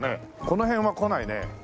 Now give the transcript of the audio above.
この辺は来ないね。